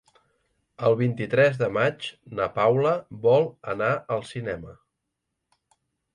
El vint-i-tres de maig na Paula vol anar al cinema.